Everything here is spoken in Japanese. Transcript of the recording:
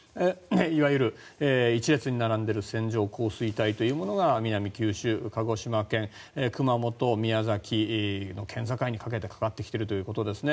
いわゆる、一列に並んでいる線状降水帯というものが南九州、鹿児島県、熊本、宮崎の県境にかけてかかってきているということですね。